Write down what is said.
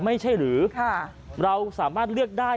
ไม่ใช่หรือเราสามารถเลือกได้